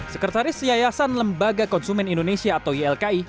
sekretaris yayasan lembaga konsumen indonesia atau ylki